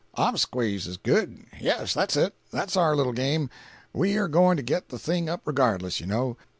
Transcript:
"Obs'quies is good. Yes. That's it—that's our little game. We are going to get the thing up regardless, you know.